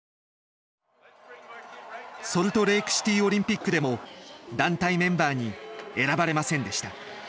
ソルトレークシティーオリンピックでも団体メンバーに選ばれませんでした。